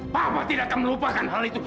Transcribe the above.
bapak tidak akan melupakan hal itu